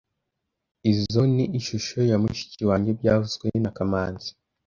Izoi ni ishusho ya mushiki wanjye byavuzwe na kamanzi